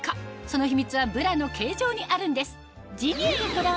その秘密はブラの形状にあるんです